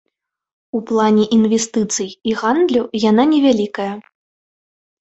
У плане інвестыцый і гандлю яна невялікая.